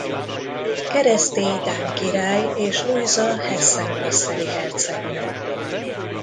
Keresztély dán király és Lujza hessen–kasseli hercegnő.